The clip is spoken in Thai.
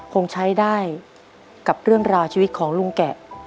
คงใช้ได้กับเรื่องราวชีวิตของลุงแกะ